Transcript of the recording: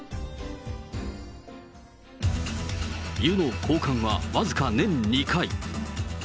湯の交換は僅か年２回。